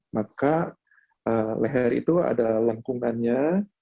maka leher itu ada lengkungannya